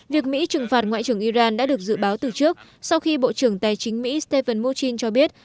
việc mỹ trừng phạt ngoại trưởng iran đã được dự báo từ trước sau khi bộ trưởng tài chính mỹ stephen murchin cho biết